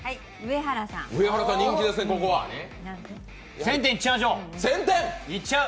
１０００点いっちゃいましょう！